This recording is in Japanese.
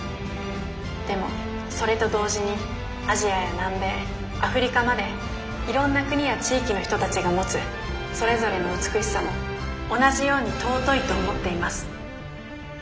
でもそれと同時にアジアや南米アフリカまでいろんな国や地域の人たちが持つそれぞれの美しさも同じように尊いと思っています。